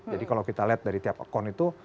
jadi kalau kita lihat dari tiap account itu